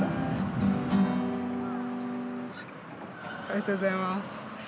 ありがとうございます。